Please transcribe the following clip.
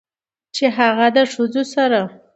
چې هغه د ښځو سره